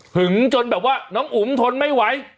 ึงจนแบบว่าน้องอุ๋มทนไม่ไหว